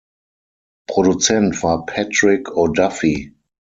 Produzent war Patrick O’Duffy.